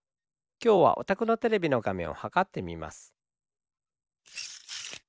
きょうはおたくのテレビのがめんをはかってみます。